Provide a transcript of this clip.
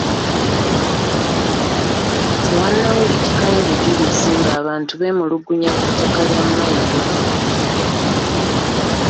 Tewannawulikikayo bujulizi nga abantu beemulugunya ku ttaka lya mmayiro.